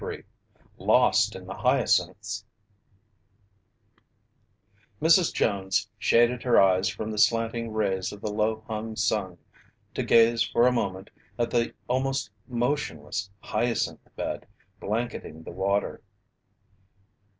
CHAPTER 23 LOST IN THE HYACINTHS Mrs. Jones shaded her eyes from the slanting rays of the low hung sun to gaze for a long moment at the almost motionless hyacinth bed blanketing the water.